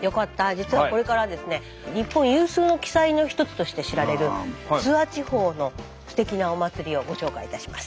実はこれから日本有数の奇祭の一つとして知られる諏訪地方のすてきなお祭りをご紹介いたします。